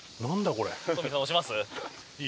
これ。